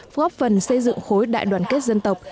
góp phần xây dựng khối đại đoàn kết dân tộc